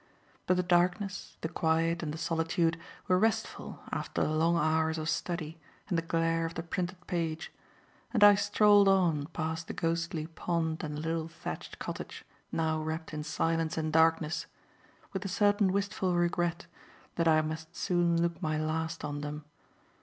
But the darkness, the quiet and the solitude were restful after the long hours of study and the glare of the printed page, and I strolled on past the ghostly pond and the little thatched cottage, now wrapped in silence and darkness, with a certain wistful regret that I must soon look my last on them.